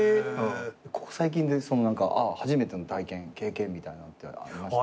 ここ最近で初めての体験経験みたいなのってありました？